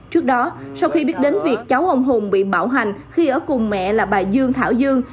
trước đó sau khi biết đến việc cháu ông hùng bị bạo hành khi ở cùng mẹ là bà dương thảo dương